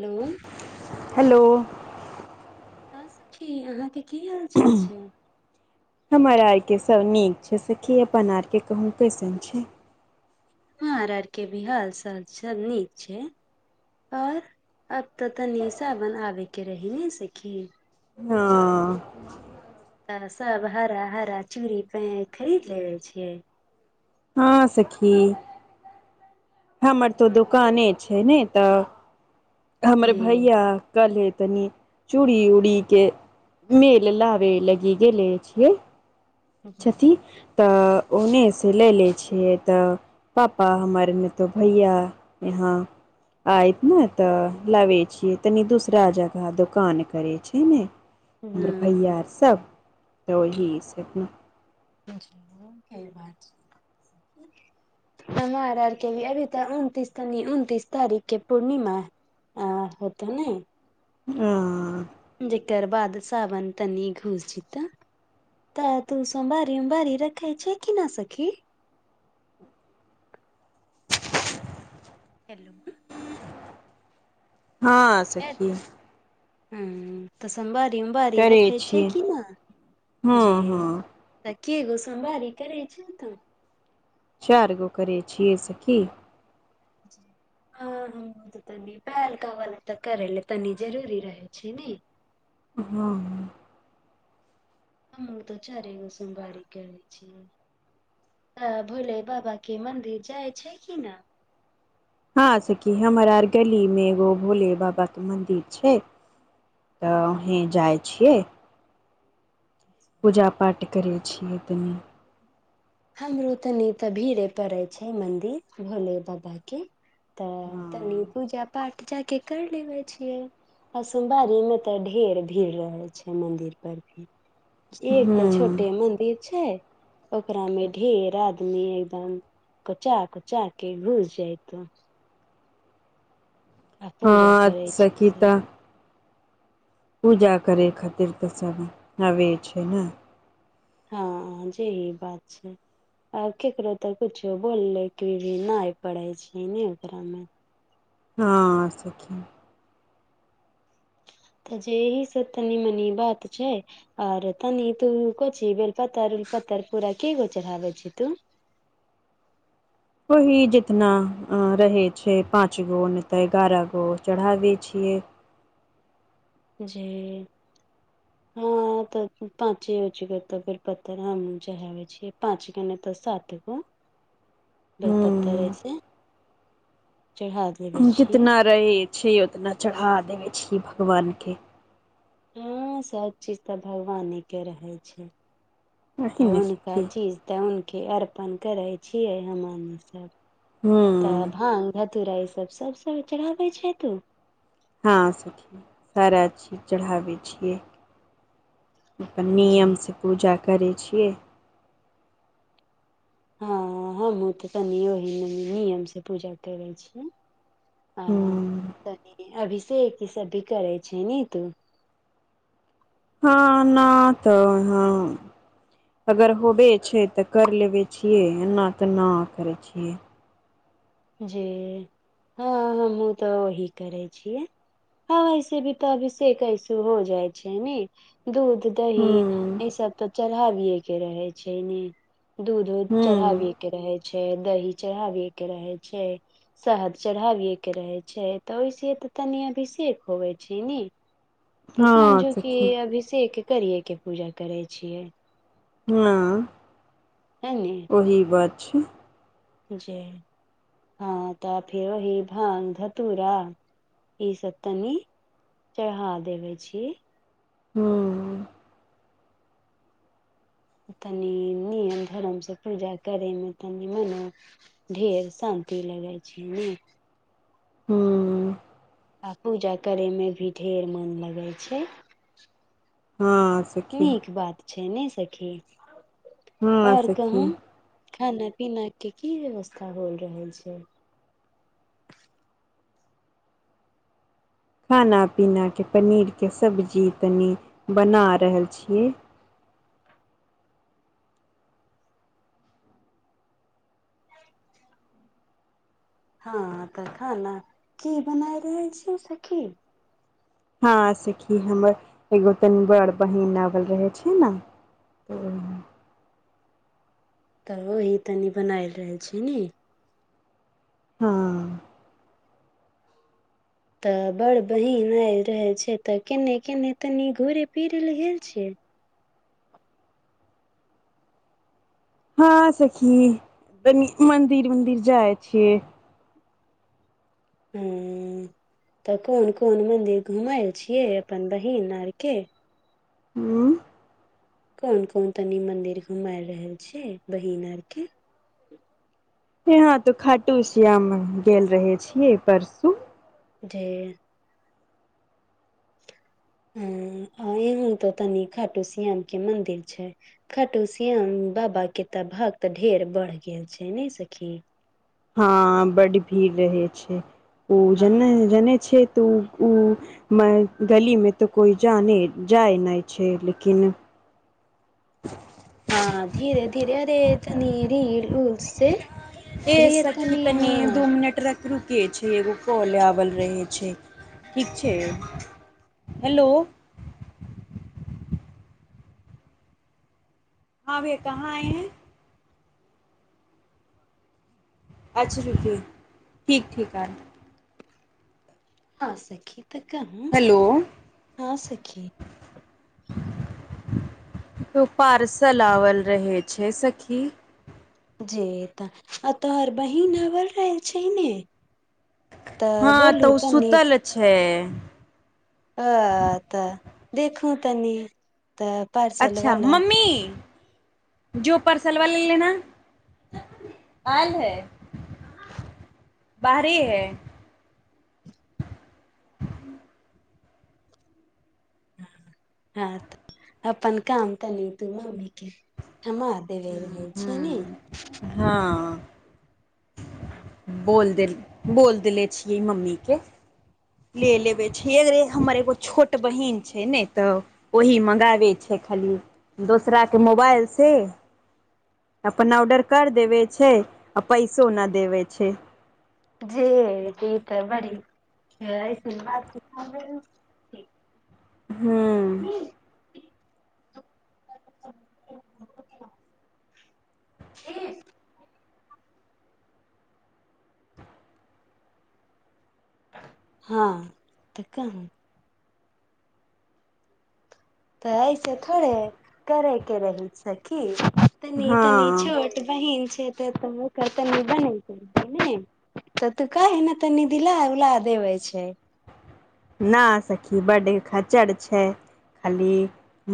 Hello hello हँ सखी अहाँके की हाल चाल छै हमर आरके सभ नीक छै सखी अपन आरके कहूँ कैसन छै हर आर के भी हाल चाल सब नीक छै आओर अब तऽ तनी साावन आबे के राहै नैय सखी हँ हँ तऽ सब हरा हरा चूड़ी पे खरीद लेेवे छिये हँ सखी हमर तऽ दुकाने छै नेय तऽ हमर जे भैया कल्हे तनि चूड़ी उड़ी के मेल लाबे लागी गेले छियै छथि तऽ ओ मे सँ लेऽ लैय छियै तऽ पापा हमर मे तऽ भैया यहाँ आयत नऽ तऽ लाबे छियै तनी दूसरा जगह दोकान करे छि ने हमर भैया अर सभ तऽ ओही सखी क बात छै हमार आरके भी अभी तऽ उनतीस तनी उनतीस तारिख के पूर्णिमा है आ होथ नै आ जेकर बाद साावन तनी घूस जित। तऽ तू सोमवारी उमवारी रखै छैय कि ना सखी? हेलो हँ सखी। ह्म तऽ सोमवारी उमवारी करै रखै छैय छियै कि न हँ जी। हँ त केय‌ गो सोमबारि रहै छ तु? चार गो करैय छियै सखि। [inaudible] [unintelligible] करे ल तनी जररी रहै छैय ने। हँ हम तऽ चारेगो सोमवारि कारै छियै। आ भोले बाबा के मंदिर जाइ छैय कि न? हँं सखी हमरा आर गली में एगो भोले बाबा के मंदिर छैय। तऽ अहीं जाइ छियै। पूजा पाठ करै छियै तनी। हमरो तनी तऽ भीड़े पड़े छैय मंदिर भोले बाबा के। तऽ तनि हँ पूजा पाठ जाके कैर लेबे छियै। आ सोमवारी में तऽ ढेर भीड़ रहैय छैय मंदिर पर भी। एक तऽ हँ छोटे मन्दिर छैय ओकरा में ढेर आदमी एकदम कोचा कोचा के घुस जैयतव। आ पूजा हँ करे छै सखी सब त पूजा करै खातिर तऽ सब आबै छैय ने। हँ जे ई बात छैय। आ केकरो तऽ कुछो बोलले के भी न पड़े छैय ने ओकरा मे। हँ सखी। तऽ जेहि से तनी मनी बात छैय। आओर तनी तू कोची बेलपातर उलपातर पूरा केय गो चरहावै छि तू? ओहि जेतना रहै छैय पाँच गो नहि तऽ एगारह गो चढ़ाबै छियै। जी हँ तऽ पाँचे हो त बेलपत्र हमहु चहबै छीयै पाँचगो नहि तऽ सात गो बेल पत्तर हूँ ऐसे चढ़ा दे जितना रहै छैय उतना चढ़ा देबै छीयै भगवानके। हँ सब चीज तऽ भगवाने के रहे छैय एहि तऽ मे हुनका सखी चीज तऽ हूंनके अर्पण करै छियै हमनी सब हूँ तब भांग धतूरा ई सब सब साल चढ़ाबै छ तू? हँ सखी सारा चीज चढ़ाबैत छियै। अपन जी नियमसँ पूजा करैत छियै। हँ हमहूँ तऽ कनि ओही नियमसँ पूजा करैत छीयै। हां हूँ त अभिषेक ई सब भी करै छैय ने तू? हँ न तऽ हँ। अगर होबै छैय तऽ कर लेबै छियै ना त ना करै छियै। जी हँ हमहुँ तऽ वही करै छियै। ह वैसे भी तऽ अभिसेक ऐसे हो जाइ छैय ने दूध दहि हूँ ई सब तऽ चढ़ाबिये के रहय छैय ने दूध उध हूँ चढ़ाबि के रहै छैय दही चढ़ाबिए के रहै छैय। शहद त चढ़ाबेही के रहै छैय तऽ ओहिस तऽ तनि अभिषेक होवे छैय ने। तऽ हँ समझु की सखी अभिषेक करिये के पूजा करै छियै। हँ एलि ओही बात छै जे हँ तऽ फेर ओही भांग धतुरा ई सब तनी चढ़ा देबै छी हूँ हूँ तनि नियम धर्म सँ पूजा करयमे तनि मने ढेर शान्ति लगै छै ने हूँ आ पूजा करेमे भी ढेर मन लगै छै हँ सखी नीक बात छै नै सखी हँ आओर कहू सखी खाना पीना के की व्यवस्था होल रहल छै खाना पीना के पनीर के सब्जी तनी बना रहल छीयै हँ तऽ खाना की बना रहल छी सखी हँ सखी हमर एगो तनी बड़ बहिन आवल रहे छै ने ओ त ओही तनी बनायल रहल छी ने हँ तऽ बड़ बहीन आ रहे छै तऽ केने केने तनी घूरे फिरे लऽ गेल छियै हँ सखी तनी मंदिर उंदिर जाय छिय ह तऽ कोन कोन मंदिर घुमल छियै अपन बहिन आर के हूँ कोन कोन तनी मंदिर घुमाय रहल छ बहिन आर के यहा तो खाटूश्याम मे गेल रहे छीयै परसू डे ह यहू तो तनी खटु श्याम के मदिर छै खाटू श्याम बाबा के तऽ भाग तऽ ढेर बढ़ गेल छै नहि सखी हँ बड्ड भीड़ रहै छै ओ हँ ज जनै छै तऽ [unintelligible] ओ मे गली में तऽ कोइ जाने जाय नहि छै लेकिन [inaudible] हँ धीरे धीरे अरे तनी रील उल से ए ढेर सखी तनी हँ दू मिनट रख रुकेै छै एगो कॉल आओल रहै छै ठीक छै हेलो हँ भैया कहाँ आये है अच्छा रुीकये ठीक ठीक आये हँ सखी त कहू हेलो हँ सखी पार्सल आवल रहे छै सखी जी तऽ आ तोहर बहीन आबल रहल छै ने तऽ हँ तऽ बोलू ओ तनी सुतल छै अ तऽ देखू तनी तऽ पार अच्छा मम्मी जो पर्सल वाला लेना आलए हे [inaudible] बाहरी है [inaudible] हँ तऽ अपन काम तनि तू मम्मी के हमर भेले रहय छै ने ई हूँ हँ [inaudible] बोल देल बोल देले छियै मम्मीके ले लेबे छैे हमर एगो छोट बहिन छै ने तऽ ओही मङ्गाबै छै खाली दोसराके मोबाइलसँ अपन ऑर्डर कर देबै छै आ पैसो नहि देबै छै जे त तऽ बड़ीइस बात [unintelligible] हुँ हँ तऽ कहा तऽ ऐसे थोड़े करे के रही सखी तनी तनी हँ छोट बहीन छै त तऽ हुनकर कनि बहिन छै तऽ नीक तऽ काहे ने तनी मनी दिला उदीला देबे छै ना सखी बड्ड खचर छै खाली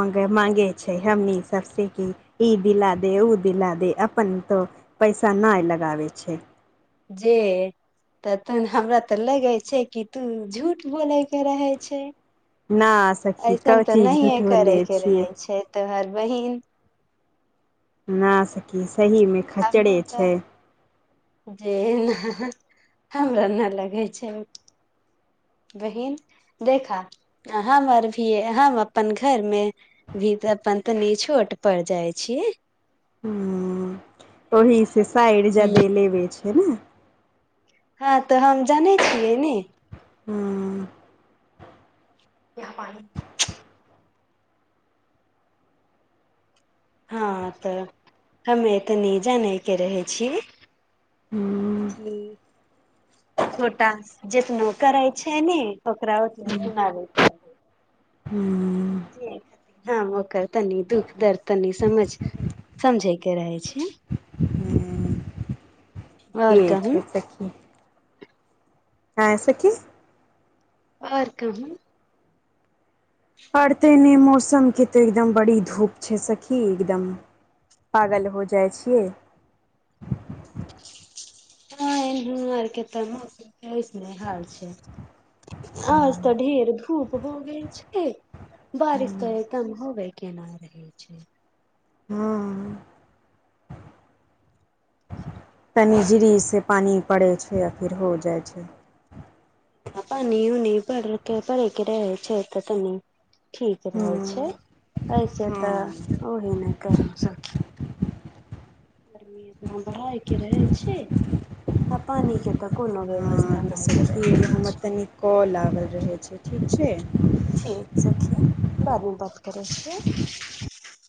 मंग मांगे छै हमनी सबसे की ई दिला दे ओ दिला दे अपन तो पैसा नहि लगाबे छै जे तऽ तन हमरा तऽ लगे छै कि तू झूठ बोले के रहे छै ना सखी क ऐसन तऽ चीज झूठ नहिए करै बोले के छियै रहे छै तऽ हर बहिन न सखी सही मे हममे खच्चरे तऽ छै जे एना हमरा नहि लगे छै बहिन देखा हम आर भी हम अपन घरमे भीतर अपन तनी छोट पर जाय छी ह ओहि से साइड जादे ह लेबे छै ने हँ तऽ हम जानै छियै ने हँ यह पानि हँ तऽ हमे तनी जानैके रहै छिय हुँ छोटा जितना करै छै ने ओकरा ओतना सुनाबे हू हम ओकर तनी दुःख दर्द तनी समझ समझे के रहै छै आओर ठीक कहू छै सखी आय सखी आओर कहू पढ़ते नहि मौसमके तऽ एकदम बड़ी धूप छै सखी एकदम पागल हो जाइ छियै ह ऐनहु आर के तऽ मौसम नहि हाल छै आज ता ढेर धूप हो गेल छै बारिश तऽ एकदम होबे के ना रहै छै हँ तनी ज्री से पानि पड़ै छै आ फिर हो जाइ छै पान उनी भरके भरके रहे छै तऽ तनि ठीक हँ रहै छै ऐसे तऽ हँ ओही ने कह सी गी अपना बढ़ाय के रहे छै आ पानी के तऽ कोनो व्यवस्था नहि करैत देखि रहै हमर छै तनी कॉल आगल रहै छै ठीक छै ठीक सखी बादमे बात करै छै